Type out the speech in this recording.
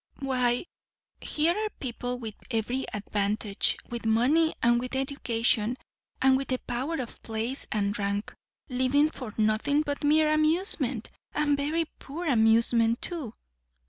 "Why, here are people with every advantage, with money and with education, and with the power of place and rank, living for nothing but mere amusement, and very poor amusement too."